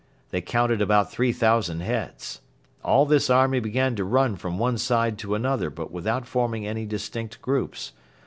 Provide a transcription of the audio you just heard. They counted about three thousand heads. All this army began to run from one side to another but without forming any distinct groups.